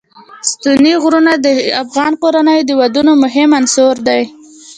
ستوني غرونه د افغان کورنیو د دودونو مهم عنصر دی.